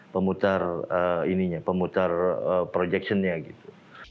pemutar projection nya gitu